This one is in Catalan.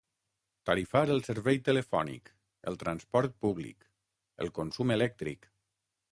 Tarifar el servei telefònic, el transport públic, el consum elèctric.